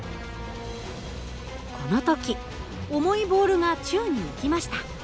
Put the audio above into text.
この時重いボールが宙に浮きました。